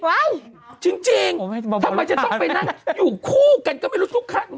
ทำไมจะต้องไปนั่งอยู่คู่กันก็ไม่รู้สัมมอง